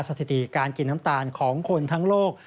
สถิติการกินน้ำตาลของคนทั้งโลก